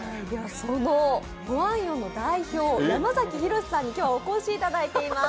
その歓迎の代表、山崎浩さんに今日はお越しいただいています。